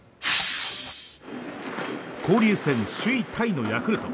交流戦首位タイのヤクルト。